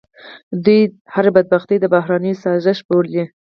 دوی هر بدبختي د بهرنیو سازش بولي.